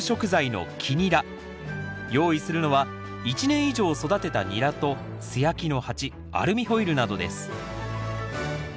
用意するのは１年以上育てたニラと素焼きの鉢アルミホイルなどです